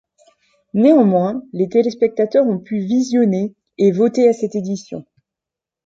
Néanmoins, les téléspectateurs ont pu visionner et voter à cette édition.